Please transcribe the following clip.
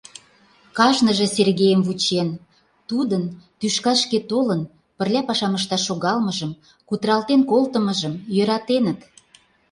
Кажныже Сергейым вучен, тудын, тӱшкашке толын, пырля пашам ышташ шогалмыжым, кутыралтен колтымыжым йӧратеныт.